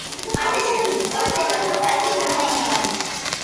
პარტიის ხელმძღვანელი გახდა პარკ ჰონ იონი.